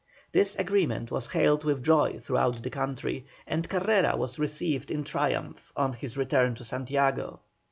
This agreement was hailed with joy throughout the country, and Carrera was received in triumph on his return to Santiago.